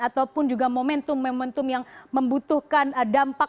ataupun juga momentum momentum yang membutuhkan dampak